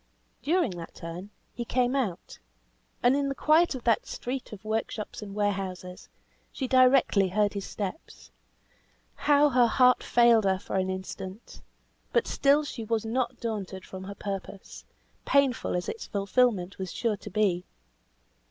During that turn he came out, and in the quiet of that street of workshops and warehouses, she directly heard his steps. Now her heart failed her for an instant; but still she was not daunted from her purpose, painful as its fulfilment was sure to be.